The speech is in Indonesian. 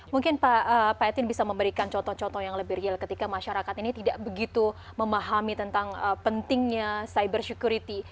mungkin pak etin bisa memberikan contoh contoh yang lebih real ketika masyarakat ini tidak begitu memahami tentang pentingnya cyber security